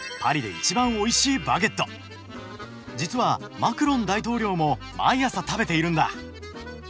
実はマクロン大統領も毎朝食べているんだ。